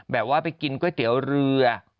แบบว่าไปกินก๋วยเตี๋ยวเรือ